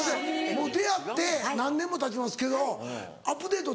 もう出会って何年もたちますけどアップデート